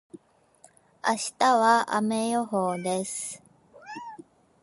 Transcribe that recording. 明日は雨予報です。